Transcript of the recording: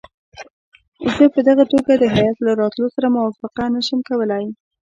زه په دغه توګه د هیات له راتلو سره موافقه نه شم کولای.